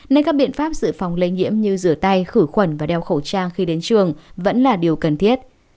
nên các biện pháp dự phòng lây nhiễm như rửa tay khử khuẩn và đeo khẩu trang khi đến trường vẫn là điều cần thiết